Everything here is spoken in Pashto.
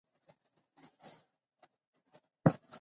منی د افغانانو د اړتیاوو د پوره کولو وسیله ده.